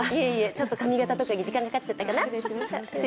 ちょっと髪形とかに時間かかっちゃったかな？